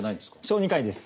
小児科医です。